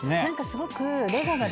何かすごく。